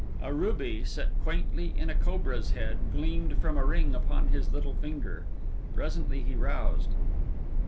A ruby, set quaintly in a cobra's head, gleamed from a ring upon his little finger. Presently he roused.